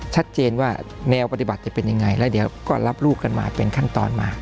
ชัดเจนว่าแนวปฏิบัติจะเป็นยังไงแล้วเดี๋ยวก็รับลูกกันมาเป็นขั้นตอนมา